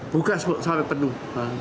buka sampai penuh